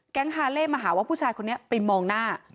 ฮาเล่มาหาว่าผู้ชายคนนี้ไปมองหน้า